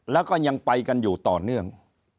แล้วก็ยังไปกันอยู่ต่อเนื่อง